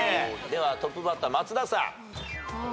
ではトップバッター松田さん。